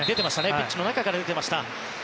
ピッチの中から出ていましたね。